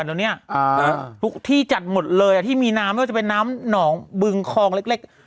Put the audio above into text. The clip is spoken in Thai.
เดี๋ยวนี้ทุกที่จัดหมดเลยที่มีน้ำไม่ว่าจะเป็นน้ำหนองบึงคลองเล็ก